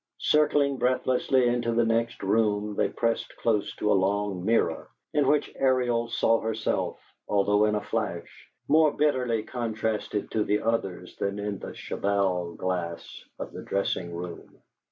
Circling breathlessly into the next room, they passed close to a long mirror, in which Ariel saw herself, although in a flash, more bitterly contrasted to the others than in the cheval glass of the dressing room.